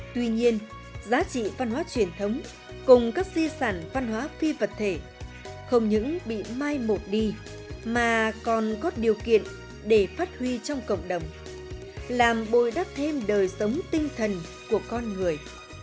tuy nhiên giá trị văn hóa truyền thống cùng các di sản văn hóa phi vật thể không những bị mai một đi mà còn có điều kiện để phát huy trong cộng đồng làm bồi đắp thêm đời sống tinh thần của con người